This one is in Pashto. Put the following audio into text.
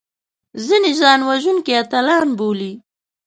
ځینې ځانوژونکي اتلان بولي